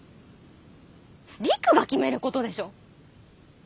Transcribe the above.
陸が決めることでしょう？